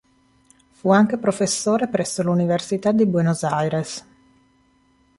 Fu anche professore presso l'Università di Buenos Aires.